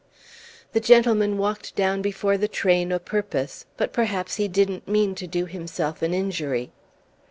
The gentleman walked down before the train o' purpose; but perhaps he didn't mean to do himself an injury.